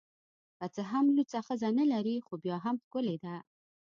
که څه هم لوڅه ښځه نلري خو بیا هم ښکلې ده